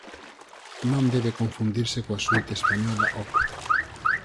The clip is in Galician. Non debe confundirse coa Suite española Op.